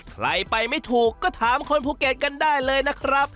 ใครไปไม่ถูกก็ถามคนภูเก็ตกันได้เลยนะครับ